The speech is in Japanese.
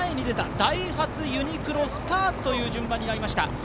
ダイハツ、ユニクロスターツという順番になりました。